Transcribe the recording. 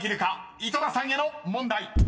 井戸田さんへの問題］